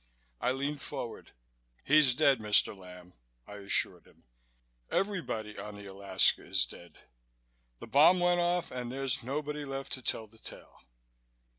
I leaned forward. "He's dead, Mr. Lamb," I assured him. "Everybody on the Alaska is dead. The bomb went off and there's nobody left to tell the tale."